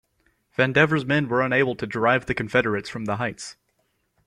Vandever's men were unable to drive the Confederates from the heights.